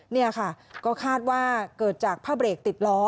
นี่ค่ะก็คาดว่าเกิดจากผ้าเบรกติดล้อ